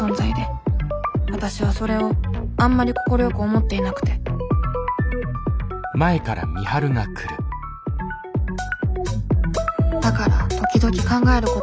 わたしはそれをあんまり快く思っていなくてだから時々考えることがある。